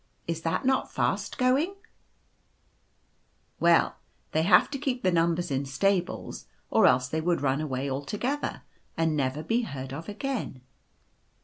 Is that not fast going ?" Well, they have to keep the numbers in stables, or else they would run away altogether and never be heard of again.